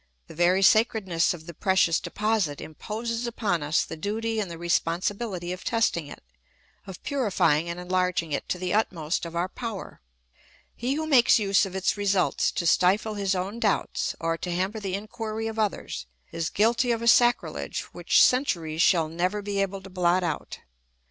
The very sacredness of the precious deposit imposes upon us the duty and the responsibihty of test ing it, of purifying and enlarging it to the utmost of our power. He who makes use of its results to stifle his own doubts, or to hamper the inquiry of others, is guilty of a sacrilege which centuries shall never be able to blot out.